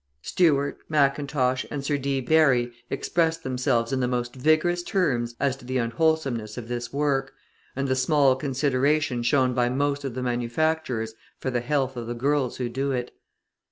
Stuart, Mackintosh, and Sir D. Barry express themselves in the most vigorous terms as to the unwholesomeness of this work, and the small consideration shown by most of the manufacturers for the health of the girls who do it.